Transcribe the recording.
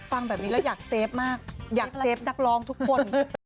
ฟังแบบนี้แล้วอยากเซฟมากอยากเซฟนักร้องทุกคน